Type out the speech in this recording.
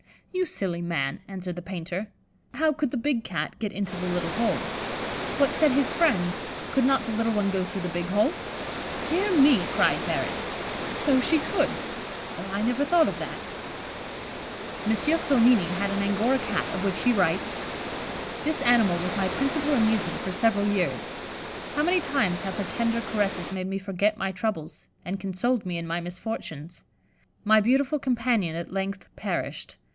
"You silly man," answered the painter, "how could the big Cat get into the little hole?" "But," said his friend, "could not the little one go through the big hole?" "Dear me," cried Barrett, "so she could; well, I never thought of that." M. Sonnini had an Angora Cat, of which he writes: "This animal was my principal amusement for several years. How many times have her tender caresses made me forget my troubles, and consoled me in my misfortunes. My beautiful companion at length perished.